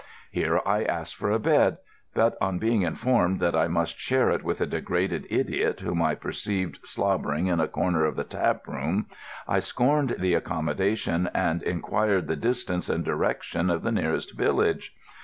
Here I asked for a bed; but on being informed that I must share it with a degraded idiot whom I perceived slobbering in a corner of the taproom, I scorned the accommodation and inquired the distance and direction of the nearest village.